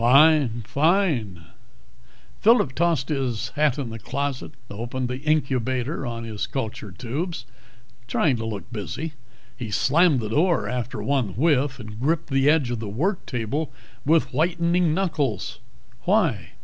"Fine, fine." Phillip tossed his hat in the closet, opened the incubator on his culture tubes, trying to look busy. He slammed the door after one whiff and gripped the edge of the work table with whitening knuckles. "Why?"